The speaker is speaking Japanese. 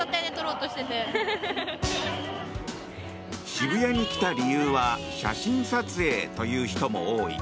渋谷に来た理由は写真撮影という人も多い。